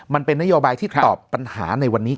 มันเป็นนโยบายที่ตอบปัญหาในวันนี้